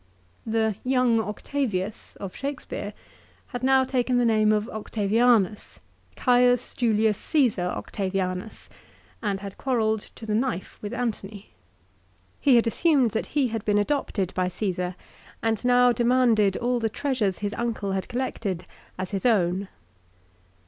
The " young Octavius " of Shakespeare had now taken the name of Octavianus, Caius Julius Csesar Octavianus, and had quarrelled to the knife with Antony. He had assumed that he had been adopted by Caesar and now demanded all the treasures his uncle had collected as his own.